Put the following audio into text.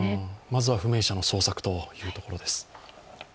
まずは不明者の捜索というところです。